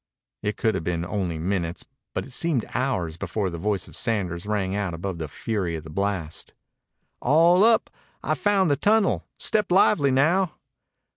It could have been only minutes, but it seemed hours before the voice of Sanders rang out above the fury of the blast. "All up! I've found the tunnel! Step lively now!"